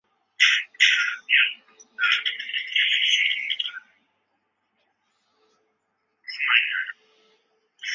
因此单位球面和黎曼球面微分同胚。